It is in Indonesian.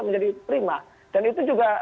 menjadi prima dan itu juga